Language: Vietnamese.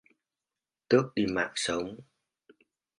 tước đi mạng sống